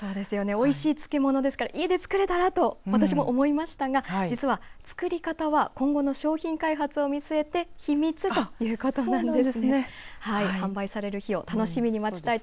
おいしい漬物ですから家で作れたらと私も思いましたが実は作り方は、今後の商品開発を見据えて秘密ということなんです。